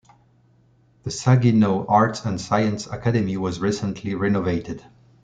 The Saginaw Arts and Sciences Academy was recently renovated.